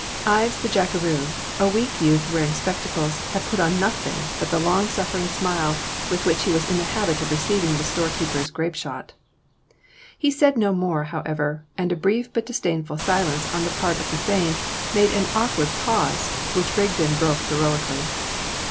Ives the jackeroo, a weak youth wearing spectacles, had put on nothing but the long suffering smile with which he was in the habit of receiving the storekeeper's grape shot. He said no more, however, and a brief but disdainful silence on the part of Bethune made an awkward pause which Rigden broke heroically.